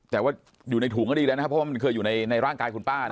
แต่ว่าอยู่ในถุงก็ดีแล้วนะครับเพราะว่ามันเคยอยู่ในร่างกายคุณป้า